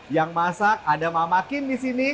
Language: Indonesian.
yang masak ada mama kim di sini